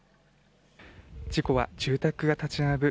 事故は住宅が立ち並ぶ